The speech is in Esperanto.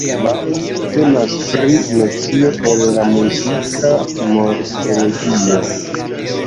Male temas pri nocio el la muzika morfologio.